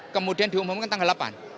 kemudian diumumkan tanggal delapan